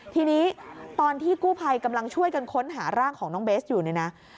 ทีนี้ตอนที่กู้ภัยกำลังช่วยกันค้นหาร่างของน้องเบสอยู่เนี่ยนะ